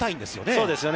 そうですよね。